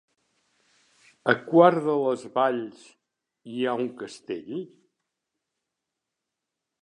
A Quart de les Valls hi ha un castell?